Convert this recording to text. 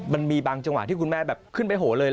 มันมีบางจังหวะที่คุณแม่แบบขึ้นไปโหเลย